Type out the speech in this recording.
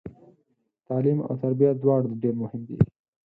تعلیم او تربیه دواړه ډیر مهم دي